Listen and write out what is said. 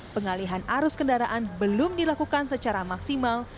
pengalihan arus kendaraan belum dilakukan secara maksimal